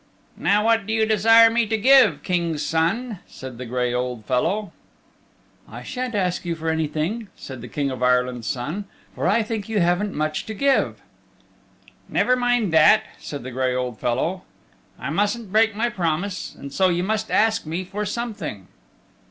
"Now what do you desire me to give, King's Son?" said the gray old fellow. "I shan't ask you for anything," said the King of Ireland's Son, "for I think you haven't much to give." "Never mind that," said the gray old fellow. "I mustn't break my promise, and so you must ask me for something."